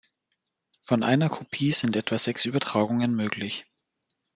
Von einer Kopie sind etwa sechs Übertragungen möglich.